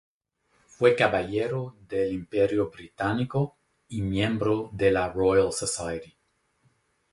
Fue caballero del Imperio Británico y miembro de la Royal Society.